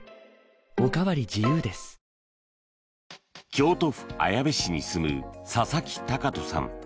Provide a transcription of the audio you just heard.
京都府綾部市に住む佐々木崇人さん。